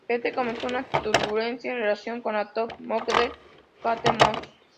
Pete comenzó una turbulenta relación con la top model Kate Moss.